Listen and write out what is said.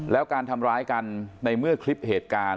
แล้วการทำร้ายกันในเมื่อคลิปเหตุการณ์